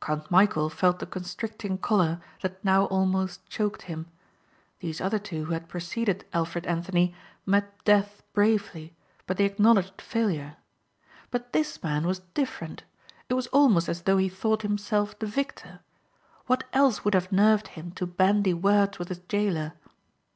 Count Michæl felt the constricting collar that now almost choked him. These other two who had preceded Alfred Anthony met death bravely but they acknowledged failure. But this man was different. It was almost as though he thought himself the victor. What else would have nerved him to bandy words with his gaoler?